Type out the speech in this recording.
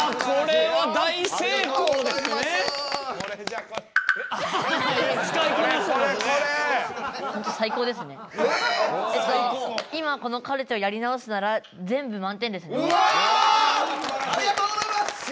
ありがとうございます！